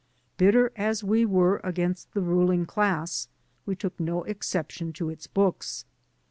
Bitter as we were against the ruling class, we took no exception to its books.